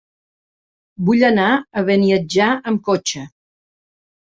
Vull anar a Beniatjar amb cotxe.